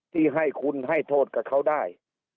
ที่ให้คุณให้โทษกับเขาได้